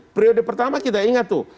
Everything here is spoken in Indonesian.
periode pertama kita ingat tuh